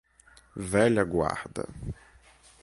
velha guarda